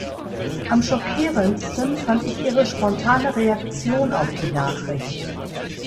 Am schockierendsten fand ich ihre spontane Reaktion auf die Nachricht.